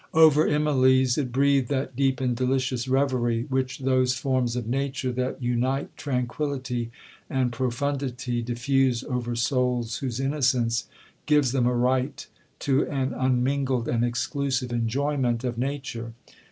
Over Immalee's, it breathed that deep and delicious reverie, which those forms of nature that unite tranquillity and profundity diffuse over souls whose innocence gives them a right to an unmingled and exclusive enjoyment of nature.